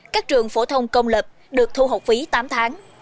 các trường phổ thông công lập được thu học phí tám tháng